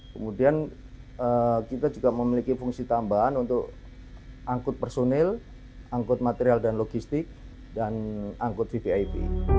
kemudian kita juga memiliki fungsi tambahan untuk angkut personil angkut material dan logistik dan angkut vvip